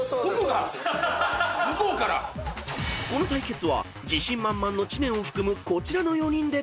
［この対決は自信満々の知念を含むこちらの４人で対決］